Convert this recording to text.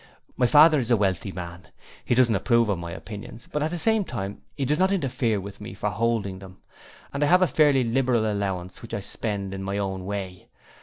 My father is a wealthy man. He doesn't approve of my opinions, but at same time he does not interfere with me for holding them, and I have a fairly liberal allowance which I spent in my own way.